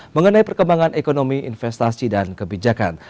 mengenai perkembangan ekonomi investasi dan kebijakan